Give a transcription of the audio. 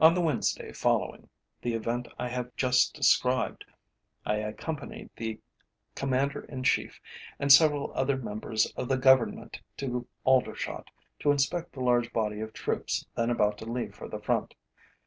On the Wednesday following the event I have just described, I accompanied the Commander in Chief and several other members of the Government to Aldershot, to inspect the large body of troops then about to leave for the front.